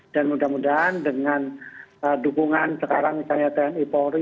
dan mudah mudahan dengan dukungan sekarang misalnya tni polri